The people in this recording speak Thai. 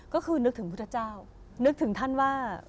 ก็คือนึกถึงพุทธเจ้านึกถึงท่านว่า